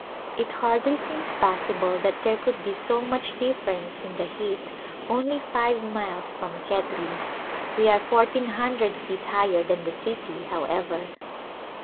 It hardly seems possible that there could be so much difference in the heat only five miles from Khetri i we are fourteen hundred feet higher than the city, however.